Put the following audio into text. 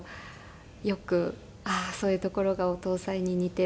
よく「ああーそういうところがお父さんに似てる」って。